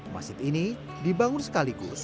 masjid ini dibangun sekaligus